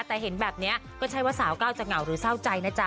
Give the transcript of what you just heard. แต่เห็นแบบนี้ก็ใช่ว่าสาวกล้าวจะเหงาหรือเศร้าใจนะจ๊